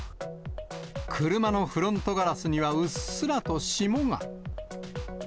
車のフロントガラスにはうっすらと霜が。